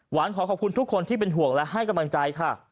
ขอขอบคุณทุกคนที่เป็นห่วงและให้กำลังใจค่ะ